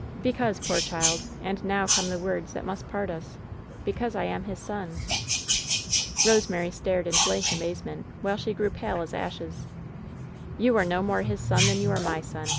WHEN SHADOWS DIE 188 "Because, poor child — and now come the words that must part us — because I am his son !" Rosemary stared in blank amazement, while she grew pale as ashes. "You are no more his son than you are my son